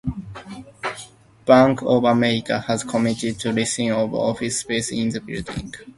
Bank of America has committed to leasing of office space in the building.